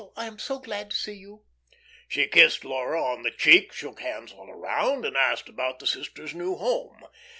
I am so glad to see you!" She kissed Laura on the cheek, shook hands all around, and asked about the sisters' new home.